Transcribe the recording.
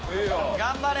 頑張れ！